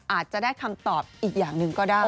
อาจจะได้คำตอบอีกอย่างหนึ่งก็ได้